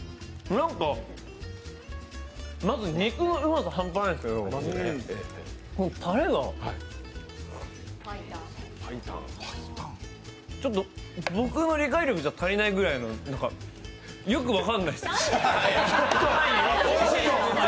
なんかまず肉のうまさ半端ないですけど、タレがちょっと僕の理解力じゃ足りないぐらいのよく分かんないッス。